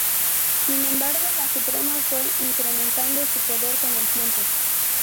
Sin embargo, la Suprema fue incrementando su poder con el tiempo.